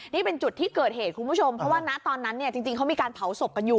นี่เป็นจุดที่เกิดเหตุคุณผู้ชมเพราะว่านะตอนนั้นเนี่ยจริงเขามีการเผาศพกันอยู่